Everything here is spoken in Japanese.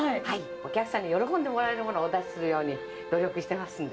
お客さんに喜んでもらえるものをお出しするように努力していますんで。